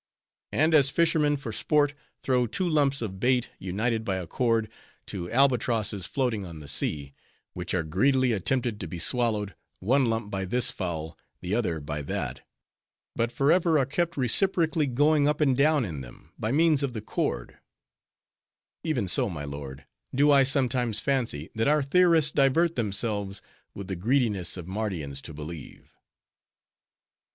And as fishermen for sport, throw two lumps of bait, united by a cord, to albatrosses floating on the sea; which are greedily attempted to be swallowed, one lump by this fowl, the other by that; but forever are kept reciprocally going up and down in them, by means of the cord; even so, my lord, do I sometimes fancy, that our theorists divert them selves with the greediness of Mardians to believe."